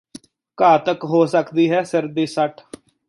ਘਾਤਕ ਹੋ ਸਕਦੀ ਹੈ ਸਿਰ ਦੀ ਸੱਟ